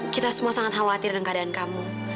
kita semua sangat khawatir dengan keadaan kamu